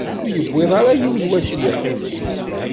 Ur yewwiḍ ara yiwen wass i d-iqqimen.